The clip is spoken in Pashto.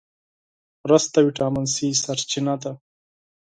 رس د ویټامین C سرچینه ده